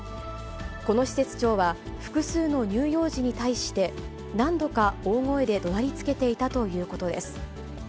この施設長は、複数の乳幼児に対して、何度か大声でどなりつけていたということです。